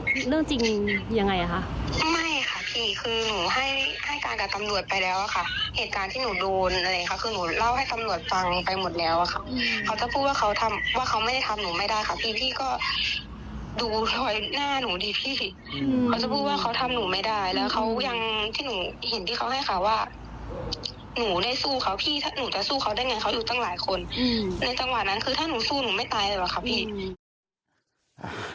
ถ้าหนูจะสู้เขาได้ยังไงเขาอยู่ตั้งหลายคนในจังหวะนั้นคือถ้าหนูสู้หนูไม่ตายเลยว่ะค่ะพี่